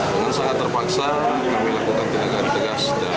dengan sangat terpaksa kami lakukan tindakan tegas